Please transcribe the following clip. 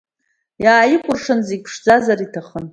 Иааикәыршаны зегьы ԥшӡазар иҭахын.